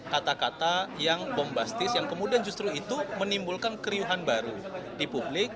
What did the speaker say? kata kata yang bombastis yang kemudian justru itu menimbulkan keriuhan baru di publik